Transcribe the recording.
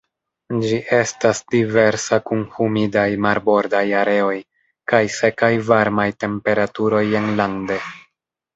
Ĝi estas diversa kun humidaj marbordaj areoj kaj sekaj varmaj temperaturoj enlande.